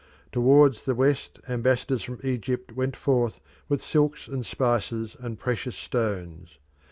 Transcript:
Towards the West, ambassadors from Egypt went forth with silks and spices and precious stones.